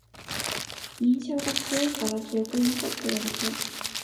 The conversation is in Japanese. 印象が強いから記憶に残ってるだけ